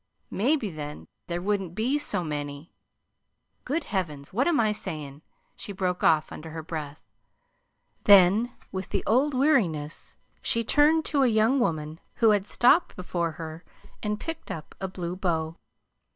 Maybe then there wouldn't be so many Good heavens, what am I sayin'?" she broke off, under her breath. Then, with the old weariness, she turned to a young woman who had stopped before her and picked up a blue bow.